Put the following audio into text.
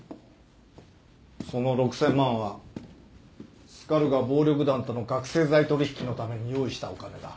その６，０００万はスカルが暴力団との覚醒剤取引のために用意したお金だ。